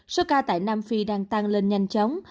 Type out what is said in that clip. số ca tại nam phi đang tăng lên nhanh chóng